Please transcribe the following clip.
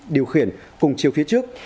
điều khiển cùng chiều phía trước